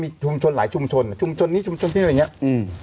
ก็จะมีหลายชุมชนชุมชนนี้ชุมชนนี้อะไรอย่างนี้